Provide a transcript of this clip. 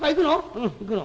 「うん行くの」。